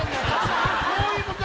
どういうことだ？